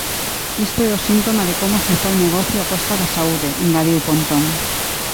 Isto é síntoma de como se fai negocio a costa da saúde, engadiu Pontón.